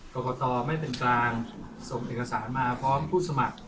กรกตไม่เป็นกลางส่งเอกสารมาพร้อมผู้สมัคร